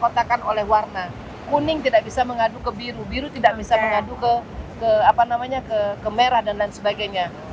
di kotakan oleh warna kuning tidak bisa mengadu ke biru biru tidak bisa mengadu ke merah dan lain sebagainya